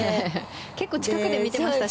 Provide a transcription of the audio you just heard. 結構近くで見てましたしね。